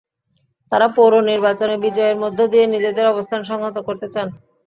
তাঁরা পৌর নির্বাচনে বিজয়ের মধ্য দিয়ে নিজেদের অবস্থান সংহত করতে চান।